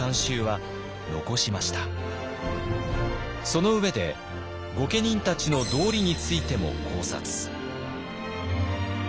その上で御家人たちの「道理」についても考察。